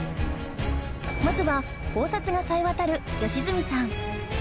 まずは考察が冴え渡る吉住さん